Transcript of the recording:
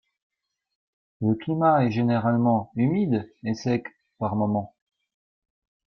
Le climat est généralement humide et sec par moments.